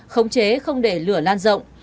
không chế không để lửa lan rộng